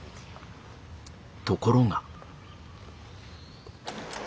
ところが。